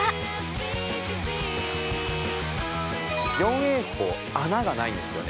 泳法穴がないんですよね。